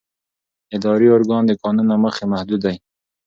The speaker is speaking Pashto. اداري ارګان د قانون له مخې محدود دی.